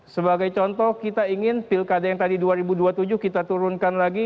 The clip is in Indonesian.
sebagai contoh kita ingin pilkada yang tadi dua ribu dua puluh tujuh kita turunkan lagi